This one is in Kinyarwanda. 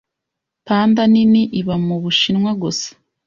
Panda nini iba mu Bushinwa gusa.